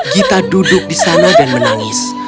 gita duduk di sana dan menangis